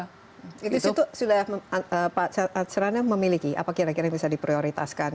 jadi itu sudah pak sastrana memiliki apa kira kira yang bisa diprioritaskan